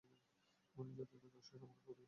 ঘূর্ণিঝড় তাদের রসদ-সামগ্রী উড়িয়ে নিয়ে যায়।